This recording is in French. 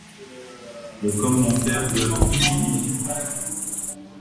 Le commentaire de iii.